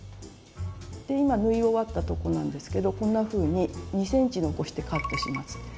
今縫い終わったとこなんですけどこんなふうに２ｃｍ残してカットします。